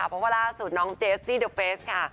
เพราะว่าล่าสุดน้องเจสซี่เดอร์เฟสค่ะ